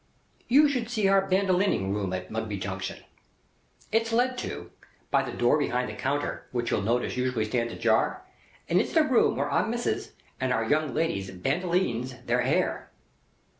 You should see our Bandolining Room at Mugby Junction. It's led to, by the door behind the counter which you'll notice usually stands ajar, and it's the room where Our Missis and our young ladies Bandolines their hair.